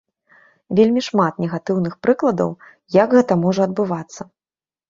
Вельмі шмат негатыўных прыкладаў, як гэта можа адбывацца.